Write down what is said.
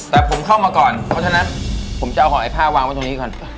แต่ผมเข้ามาก่อนเพราะฉะนั้นผมจะเอาหอยผ้าวางไว้ตรงนี้ก่อน